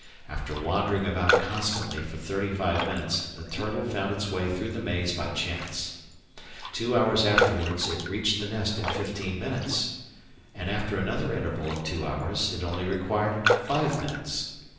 After wandering about constantly for thirty five minutes the turtle found its way through the maze by chance. Two hours afterwards it reached the nest in fifteen minutes; and after another interval of two hours it only required five minutes.